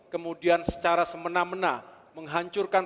kemudian secara semena mena menghancurkan